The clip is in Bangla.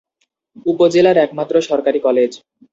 উপজেলার একমাত্র সরকারি কলেজ।